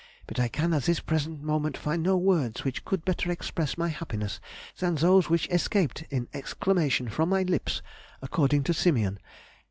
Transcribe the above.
But I can at this present moment find no words which would better express my happiness than those which escaped in exclamation from my lips, according to Simeon.